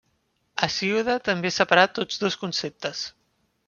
Hesíode també separà tots dos conceptes.